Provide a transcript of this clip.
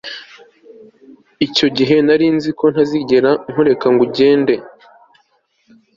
icyo gihe nari nzi ko ntazigera nkureka ngo ugende